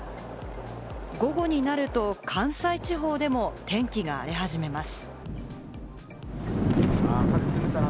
午後になると関西地方でも天気が荒れ始めます。